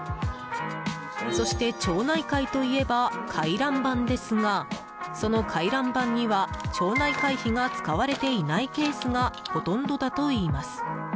そして、町内会といえば回覧板ですがその回覧板には、町内会費が使われていないケースがほとんどだといいます。